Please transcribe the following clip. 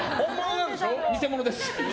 偽物です。